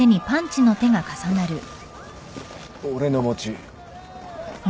俺の餅。